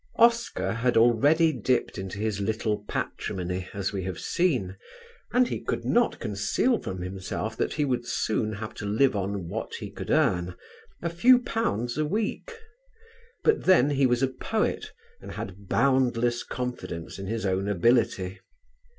Oscar had already dipped into his little patrimony, as we have seen, and he could not conceal from himself that he would soon have to live on what he could earn a few pounds a week. But then he was a poet and had boundless confidence in his own ability.